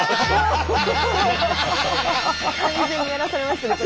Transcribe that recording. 完全にやらされましたね